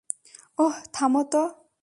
ওহ, থামো তো।